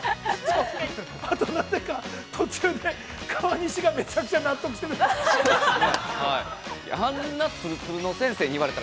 途中で川西が、めちゃくちゃ納得してた。